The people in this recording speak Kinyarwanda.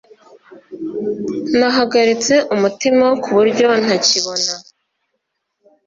nahagaritse umutima ku buryo ntakibona